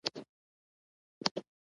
کېدای شي رسمي مراسم به و.